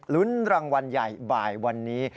ลุ้นรางวัลใหญ่บ่ายวันนี้